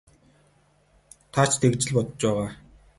Та ч тэгж л бодож байгаа.